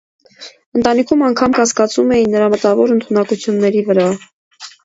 Ընտանիքում անգամ կասկածում էին նրա մտավոր ընդունակությունների վրա։